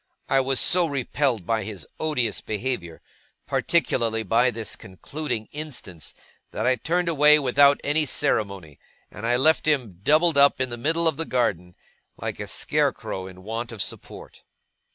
I was so repelled by his odious behaviour, particularly by this concluding instance, that I turned away without any ceremony; and left him doubled up in the middle of the garden, like a scarecrow in want of support.